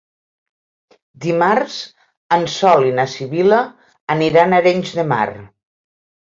Dimarts en Sol i na Sibil·la aniran a Arenys de Mar.